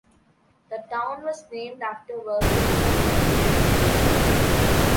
The town was named after Worthington, Ohio.